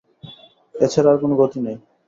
এছাড়া আর কোন গতি নেই।